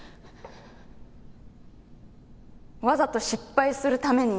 わざと失敗するために。